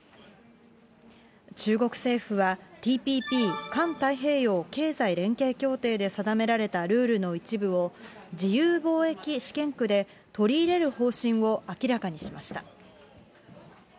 中国政府は、ＴＰＰ・環太平洋経済連携協定で定められたルールの一部を、自由貿易試験区で取り入れる方針を明らかにしました。